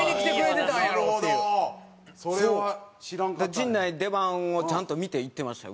陣内の出番をちゃんと見て行ってましたよ